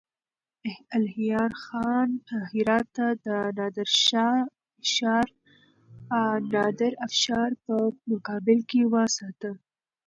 الهيار خان هرات د نادرافشار په مقابل کې وساته.